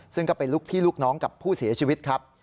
ซึ่งก็เป็นลูกพี่ลูกน้องกับผู้เสียชีวิตครับ